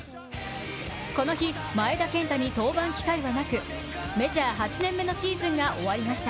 この日、前田健太に登板機会はなく、メジャー８年目のシーズンが終わりました。